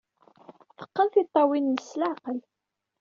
Teqqen tiṭṭawin-nnes s leɛqel.